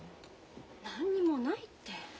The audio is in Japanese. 何にもないって。